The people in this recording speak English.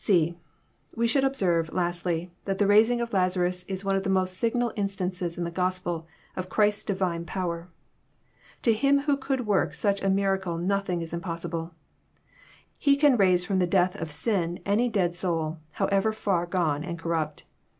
(c) We should observe, lastly, that the raising of Lazarus is one of the most signal instances in the Gospels of Christ's Divine power. To Him who could work such a miracle nothing is impossible. He can raise from the death of sin any dead soul, however far gone and corrupt.